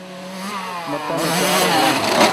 مہ تانی کار بھو۔